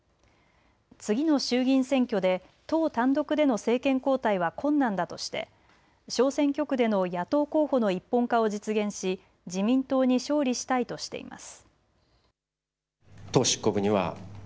次の衆議院選挙で党単独での政権交代は困難だとして小選挙区での野党候補の一本化を実現し自民党に勝利したいとしています。